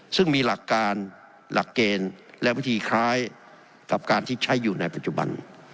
ซึ่งมีหลักการหลักเกณฑ์และวิธีคล้ายกับการที่ใช้อยู่ในปัจจุบัน